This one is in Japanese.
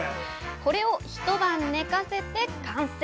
これを一晩寝かせて完成。